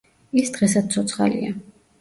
ის დღესაც ცოცხალია.